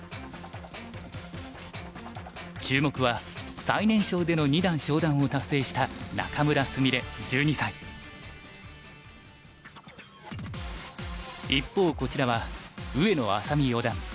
注目は最年少での二段昇段を達成した一方こちらは上野愛咲美四段。